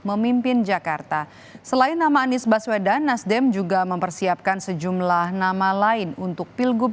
memimpin jakarta selain nama anies baswedan nasdem juga mempersiapkan sejumlah nama lain untuk pilgub